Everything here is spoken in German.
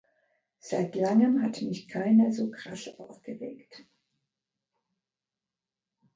Seit langem hat mich keiner so krass aufgeregt.